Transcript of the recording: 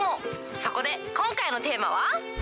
そこで、今回のテーマは。